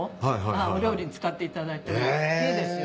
お料理に使っていただいてもいいですよ